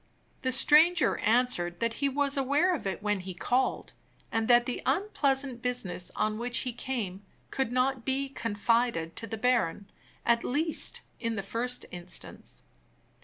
The stranger answered that he was aware of it when he called, and that the unpleasant business on which he came could not be confided to the baron at least, in the first instance.